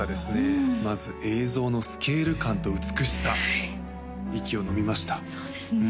うんまず映像のスケール感と美しさ息をのみましたそうですね